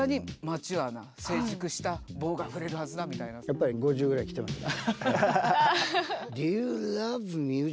やっぱり５０ぐらいきてますね。